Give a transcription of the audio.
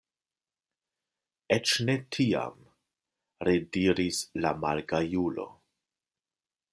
Eĉ ne tiam, rediris la malgajulo.